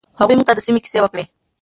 هغوی موږ ته د سیمې کیسې وکړې.